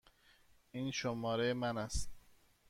این شماره من است.